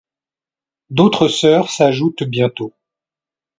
D'autres sœurs s'ajoutent bientôt.